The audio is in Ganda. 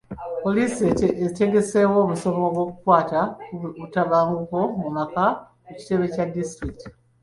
Poliisi etegeseewo omusomo ogukwata ku butabanguko mu maka ku kitebe kya disitulikiti.